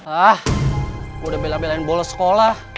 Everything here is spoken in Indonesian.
ah gue udah bela belain bolo sekolah